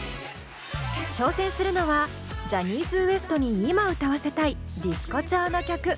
挑戦するのはジャニーズＷＥＳＴに今歌わせたいディスコ調の曲。